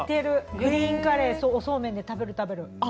グリーンカレーおそうめんで食べる。